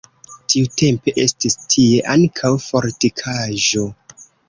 Tiutempe estis tie ankaŭ fortikaĵo.